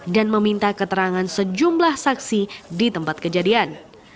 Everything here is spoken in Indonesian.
dan meminta keterangan sejumlah saksi di tempat kejadian